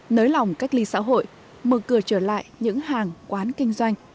nới lỏng cách ly xã hội mở cửa trở lại những hàng quán kinh doanh